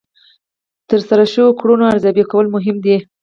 د ترسره شوو کړنو ارزیابي کول مهمه ده.